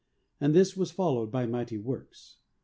And this was followed by mighty works.